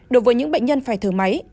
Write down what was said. đối với những bệnh nhân phải thờ máy